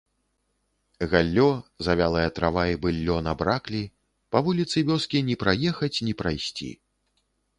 Галлё, завялая трава і быллё набраклі, па вуліцы вёскі ні праехаць ні прайсці.